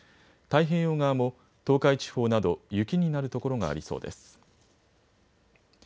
太平洋側も東海地方など雪になるところがありそうです。